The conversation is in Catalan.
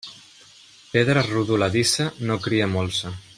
Pedra rodoladissa no cria molsa.